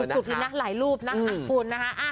ถูกคุยนะหลายรูปนะอักพูดนะคะ